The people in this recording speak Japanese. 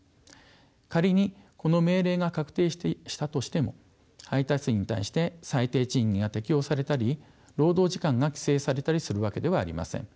仮にこの命令が確定したとしても配達員に対して最低賃金が適用されたり労働時間が規制されたりするわけではありません。